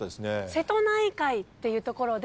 瀬戸内海っていうところで。